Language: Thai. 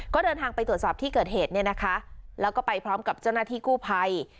ก็เดินทางไปตรวจสอบที่เกิดเหตุเนี่ยนะคะแล้วก็ไปพร้อมกับเจ้าหน้าที่กู้ภัย